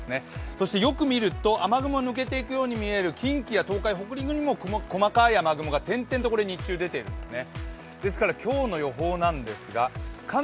そしてよく見ると雨雲が抜けていくように見える近畿や北陸、東海にも細かい雨雲が点々と日中、出ているんですね。